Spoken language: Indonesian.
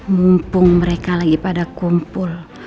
mumpung mereka lagi pada kumpul